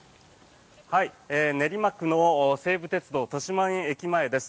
練馬区の西武鉄道豊島園駅前です。